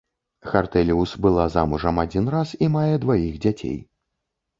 Хартэліус была замужам адзін раз і мае дваіх дзяцей.